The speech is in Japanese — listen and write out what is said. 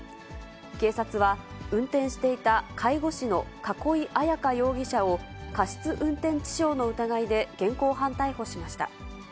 警察は、運転していた介護士の栫彩可容疑者を、過失運転致傷の疑いで現行犯逮捕しました。